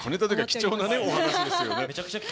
貴重なお話ですね。